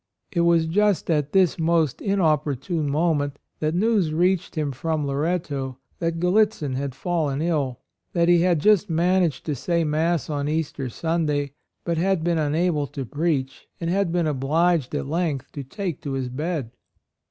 It was just at this most inopportune moment that news reached him from Loretto that Gallitzin had fallen ill; that he had just managed to say Mass on Easter Sunday; but had been unable to preach, and had been obliged at length to take to his bed.